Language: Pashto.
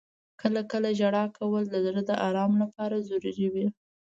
• کله کله ژړا کول د زړه د آرام لپاره ضروري وي.